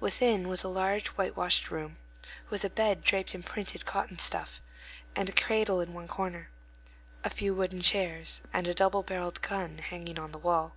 Within was a large whitewashed room, with a bed draped in printed cotton stuff, and a cradle in one corner, a few wooden chairs, and a double barrelled gun hanging on the wall.